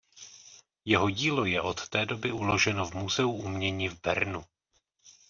Jeho dílo je od té doby uloženo v Muzeu umění v Bernu.